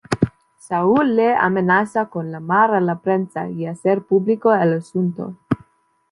Saul le amenaza con llamar a la prensa y hacer público el asunto.